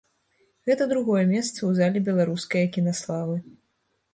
Гэта другое месца ў зале беларускае кінаславы.